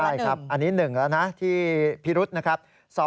อันนี้๑แล้วนะที่พิรุธนะครับ